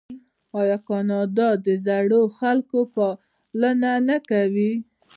آیا کاناډا د زړو خلکو پالنه نه کوي؟